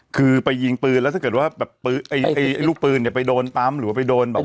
คือไปยิงปืนแล้วถ้าเกิดว่าแบบลูกปืนเนี่ยไปโดนปั๊มหรือว่าไปโดนแบบ